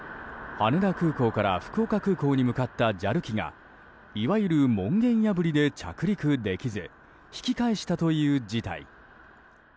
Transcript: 羽田空港から福岡空港に向かったＪＡＬ機がいわゆる門限破りで着陸できず引き返したという事態。